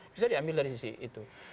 bisa diambil dari sisi itu